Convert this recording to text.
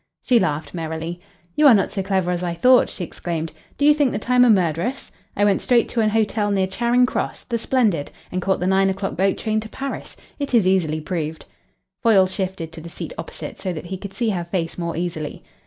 She laughed merrily. "You are not so clever as I thought," she exclaimed. "Do you think that I am a murderess? I went straight to an hotel near Charing Cross the Splendid and caught the nine o'clock boat train to Paris. It is easily proved." Foyle shifted to the seat opposite, so that he could see her face more easily.